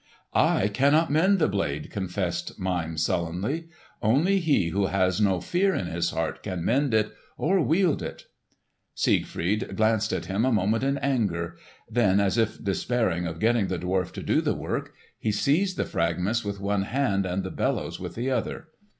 "I cannot mend the blade," confessed Mime sullenly. "Only he who has no fear in his heart can mend it or wield it." Siegfried glanced at him a moment in anger; then as if despairing of getting the dwarf to do the work, he seized the fragments with one hand and the bellows with the other.